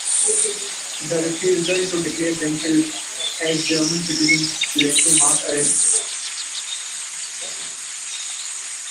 The refusal to declare themselves as German citizens led to mass arrests.